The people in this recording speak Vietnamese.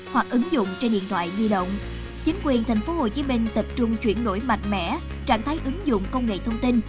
hoặc ứng dụng trên điện thoại di động chính quyền tp hcm tập trung chuyển đổi mạnh mẽ trạng thái ứng dụng công nghệ thông tin